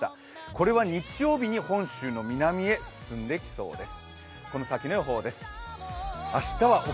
これは日曜日に本州の南に進んできそうです。